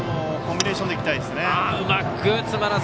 コンビネーションでいきたいです。